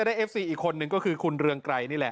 เอฟซีอีกคนนึงก็คือคุณเรืองไกรนี่แหละ